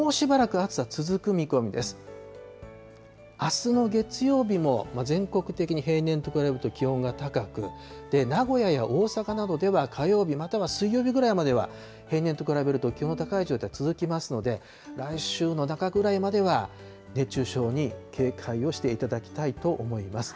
あすの月曜日も、全国的に平年と比べると気温が高く、名古屋や大阪などでは、火曜日、または水曜日ぐらいまでは平年と比べると気温の高い状態続きますので、来週の中ぐらいまでは熱中症に警戒をしていただきたいと思います。